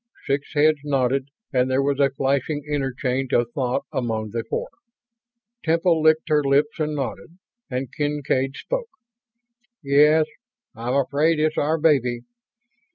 Six heads nodded and there was a flashing interchange of thought among the four. Temple licked her lips and nodded, and Kincaid spoke. "Yes, I'm afraid it's our baby.